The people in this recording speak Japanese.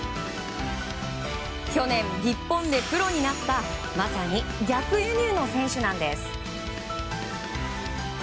去年、日本でプロになったまさに逆輸入の選手なんです。